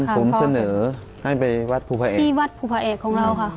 ผมเสนอให้ไปวัดภูพระเอกที่วัดภูพระเอกของเราค่ะ